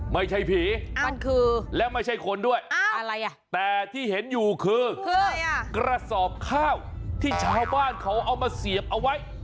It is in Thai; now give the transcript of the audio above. ไม่ใช่ผีมันคือและไม่ใช่คนด้วยแต่ที่เห็นอยู่คือกระสอบข้าวที่ชาวบ้านเขาเอามาเสียบเอาไว้